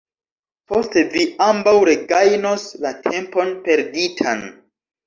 Poste vi ambaŭ regajnos la tempon perditan.